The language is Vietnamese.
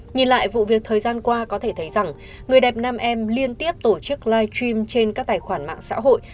nhìn lại vụ việc thời gian qua có thể thấy rằng người đẹp nam em liên tiếp tổ chức live stream trên các tài khoản mạng xã hội